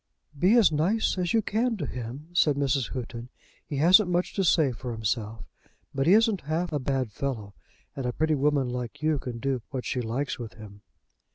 "Be as nice as you can to him," said Mrs. Houghton. "He hasn't much to say for himself, but he isn't half a bad fellow; and a pretty woman like you can do what she likes with him."